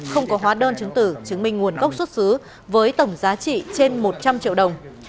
không có hóa đơn chứng tử chứng minh nguồn gốc xuất xứ với tổng giá trị trên một trăm linh triệu đồng